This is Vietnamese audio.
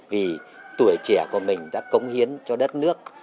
vì tuổi trẻ của mình đã cống hiến cho đất nước